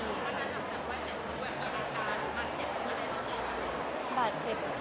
มีบาดเจ็บมีอะไรต้องการ